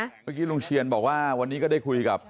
เมื่อกี้ลุงเชียนบอกว่าวันนี้ก็ได้คุยกับ